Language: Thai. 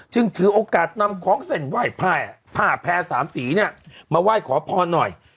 ซึ่งถือโอกาสนำของเสไว้พ่าพ่าแเพ้สามสีเนี่ยมาไหว้ขอพอดภัย